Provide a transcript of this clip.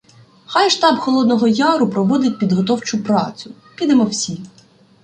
Хай штаб Холодного Яру проводить підготовчу працю, підемо всі.